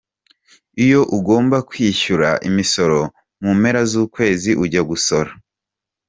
Iyo ugomba kwishyura imisoro mu mpera z’ukwezi ,ujya gusora.